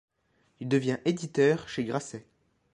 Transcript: Il devient éditeur chez Grasset.